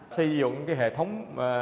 xây dựng cái hệ thống